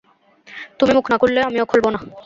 তুমি মুখ না খুললে, আমিও খুলব না।